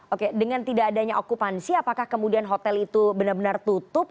oke dengan tidak adanya okupansi apakah kemudian hotel itu benar benar tutup